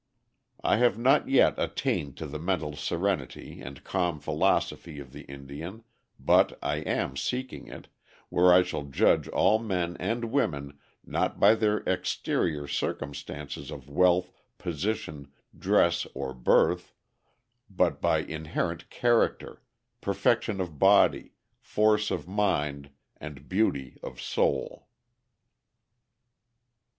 I have not yet attained to the mental serenity and calm philosophy of the Indian, but I am seeking it, where I shall judge all men and women not by their exterior circumstances of wealth, position, dress, or birth, but by inherent character, perfection of body, force of mind, and beauty of soul.